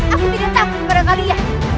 aku tidak takut dengan kalian